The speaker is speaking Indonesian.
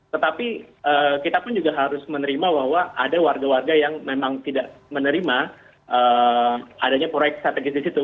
tetapi kita pun juga harus menerima bahwa ada warga warga yang memang tidak menerima adanya proyek strategis di situ